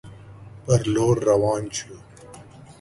پر لور روان شو.